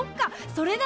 それなら。